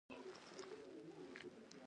آیا کتابونه لیکل کیږي؟